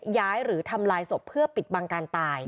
หรือทำลายศพเพื่อปิดบังการตาย